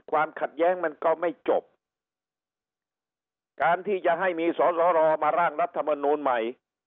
ความขัดแย้งมันก็ไม่จบการที่จะให้มีสอสอรอมาร่างรัฐมนูลใหม่